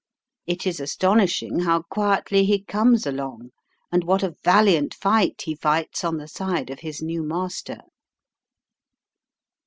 It is astonishing how quietly he comes along, and what a valiant fight he fights on the side of his new master."